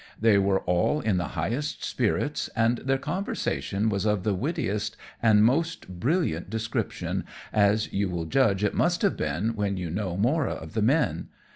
They were all in the highest spirits, and their conversation was of the wittiest and most brilliant description, as you will judge it must have been when you know more of the men.